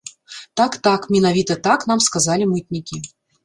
Так-так, менавіта так нам сказалі мытнікі.